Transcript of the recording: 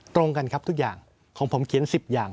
ตรงกันครับทุกอย่างของผมเขียน๑๐อย่าง